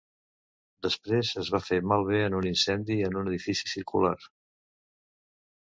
Després es va fer mal bé en un incendi en un edifici circular.